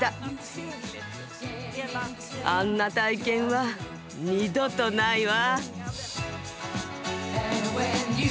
あんな体験は二度とないわ。